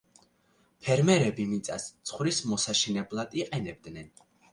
ფერმერები მიწას ცხვრის მოსაშენებლად იყენებდნენ.